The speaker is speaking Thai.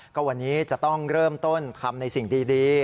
ก็วันนี้จะต้องเริ่มต้นทำในสิ่งดี